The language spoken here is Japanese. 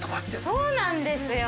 そうなんですよ。